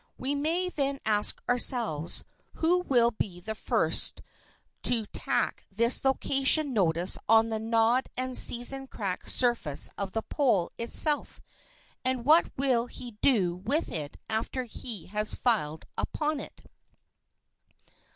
We may then ask ourselves, who will be first to tack his location notice on the gnawed and season cracked surface of the pole itself, and what will he do with it after he has so filed upon it?